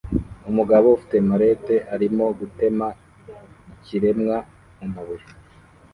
Umugabo ufite mallet arimo gutema ikiremwa mumabuye